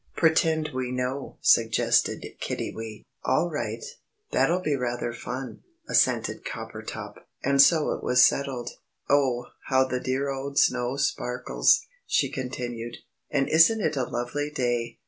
"Pretend we know," suggested Kiddiwee. "All right. That'll be rather fun," assented Coppertop. And so it was settled. "Oh, how the dear old snow sparkles," she continued, "and isn't it a lovely day.